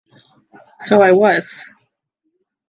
So I was.